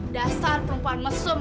dasar perempuan mesum